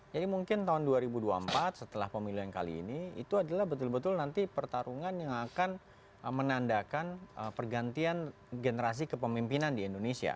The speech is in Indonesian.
jadi mungkin tahun dua ribu dua puluh empat setelah pemilihan kali ini itu adalah betul betul nanti pertarungan yang akan menandakan pergantian generasi kepemimpinan di indonesia